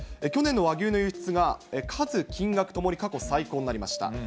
去年の和牛の輸出が、数、金額ともに過去最高になりました。